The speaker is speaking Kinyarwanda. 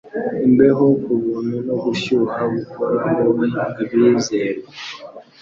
imbeho kubuntu no gushyuha gukoraho abizerwa